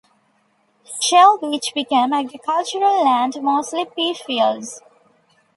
Shell Beach became agricultural land, mostly pea fields.